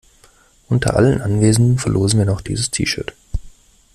Unter allen Anwesenden verlosen wir noch dieses T-Shirt.